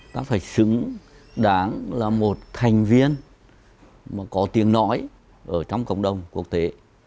ta phải xứng đáng là một thành viên mà có tiếng nói ở trong cộng đồng quốc tế